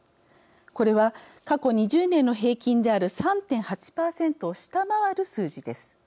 これは過去２０年の平均である３．８％を下回る数字です。